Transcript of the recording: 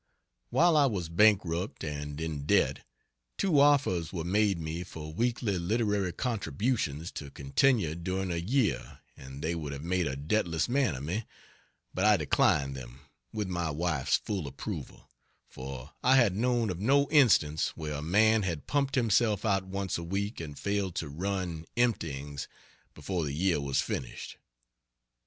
While I was a bankrupt and in debt two offers were made me for weekly literary contributions to continue during a year, and they would have made a debtless man of me, but I declined them, with my wife's full approval, for I had known of no instance where a man had pumped himself out once a week and failed to run "emptyings" before the year was finished.